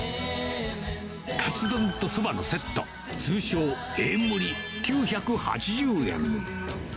カツ丼とそばのセット、通称、Ａ盛り９８０円。